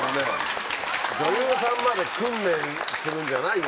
女優さんまで訓練するんじゃないよ